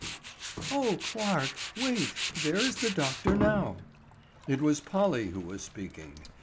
"O Clarke, wait: there is the doctor now." It was Polly who was speaking.